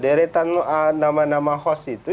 deretan nama nama host itu